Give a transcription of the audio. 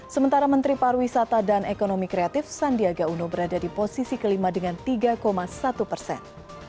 sementara menteri pariwisata dan ekonomi kreatif sandiaga uno berada di posisi kelima dengan tiga satu persen